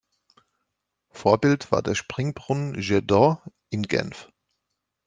Vorbild war der Springbrunnen "Jet d’eau" in Genf.